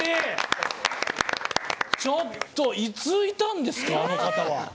ちょっと、いついたんですかあの方は？